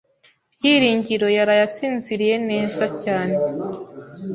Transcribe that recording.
Byiringiro yaraye asinziriye cyane.